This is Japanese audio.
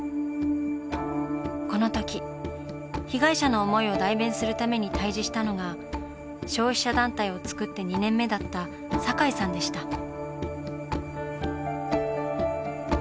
このとき被害者の思いを代弁するために対峙したのが消費者団体を作って２年目だった堺さんでした。